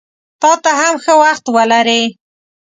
تاته هم ښه وخت ولرې!